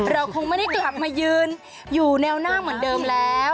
เราคงไม่ได้กลับมายืนอยู่แนวหน้าเหมือนเดิมแล้ว